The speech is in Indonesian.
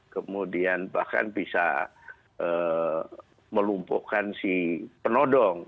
kemudian bahkan bisa melumpuhkan si penodong